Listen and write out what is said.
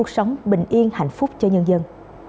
sống bình yên hạnh phúc cho nhân dân